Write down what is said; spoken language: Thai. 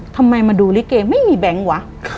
ทำไมมาดูลิเกไม่มีแบงค์วะ